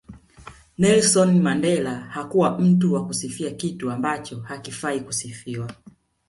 Nelsoni Mandela hakuwa mtu wa kusifia kitu ambacho hakifai kusifiwa